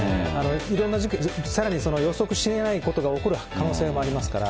いろんな事件、さらに予測しえないことが起こる可能性もありますから。